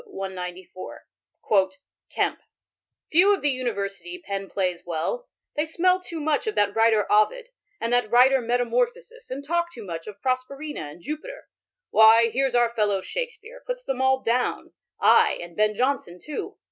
104) :" Kemp, Few of the university, pen plaies well ; they smell too much of that writer Oind, and that writer Metanwr phosisy and talke too much of Proserpina & Juppiter, Why, here's our fellow Shakespeare puts them all downe, I, and Ben Jonson too.